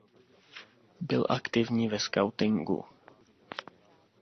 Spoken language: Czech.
Byl aktivní ve skautingu.